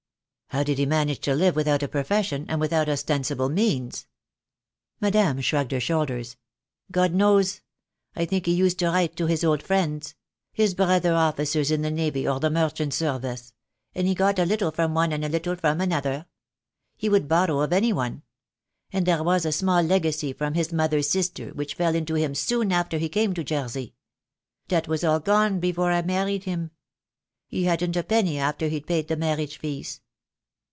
"How did he manage to live without a profession, and without ostensible means?" Madame shrugged her shoulders. "God knows. I think he used to write to his old friends — his brother officers in the navy or the merchant service — and he got a little from one and a little from another. He would borrow of any one. And there was a small legacy from his mother's sister which fell in to him soon after he came to Jersey. That was all gone before I married him. He hadn't a penny after he'd paid the marriage fees.